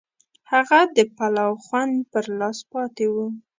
هغه د پلاو خوند پر لاس پاتې و.